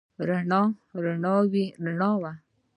رڼا، رڼاوې، رڼاوو